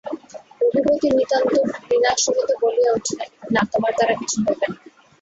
রঘুপতি নিতান্ত ঘৃণার সহিত বলিয়া উঠিলেন, নাঃ, তোমার দ্বারা কিছু হইবে না।